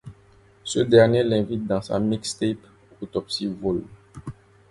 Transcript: Ce dernier l'invite dans sa mixtape Autopsie Vol.